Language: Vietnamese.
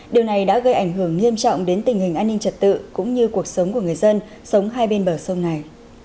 điều này đã gây ảnh hưởng nghiêm trọng đến tình hình an ninh trật tự cũng như cuộc sống của người dân sống hai bên bờ sông này